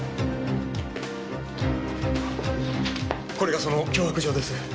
これがその脅迫状です。